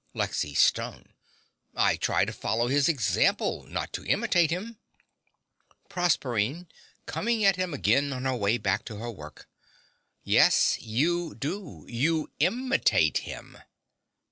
LEXY (stung). I try to follow his example, not to imitate him. PROSERPINE (coming at him again on her way back to her work). Yes, you do: you IMITATE him.